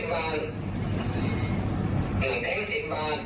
กับบุรีมาสิ